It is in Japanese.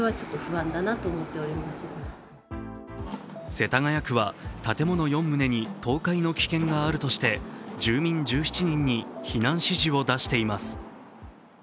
世田谷区は建物４棟に倒壊の危険があるとして住民１７人に避難指示を出しています。